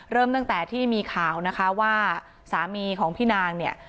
เริ่มตั้งแต่ที่มีข่าวนะคะว่าสามีของพี่นางเนี่ย